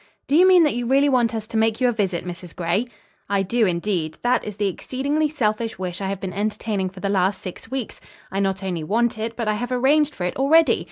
"Do you mean that you really want us to make you a visit, Mrs. Gray?" "I do indeed. That is the exceedingly selfish wish I have been entertaining for the last six weeks. I not only want it, but I have arranged for it already.